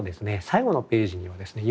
最後のページにはですね